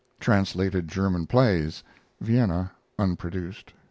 Translated German plays (Vienna) (unproduced).